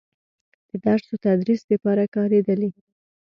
د درس و تدريس دپاره کارېدلې